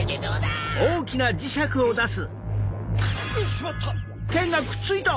しまった！